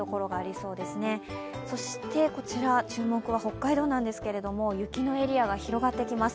そして注目は北海道なんですけれども、雪のエリアが広がってきます